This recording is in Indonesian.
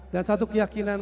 dan satu keyakinan